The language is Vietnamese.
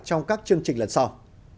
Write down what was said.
trong các chương trình lần sau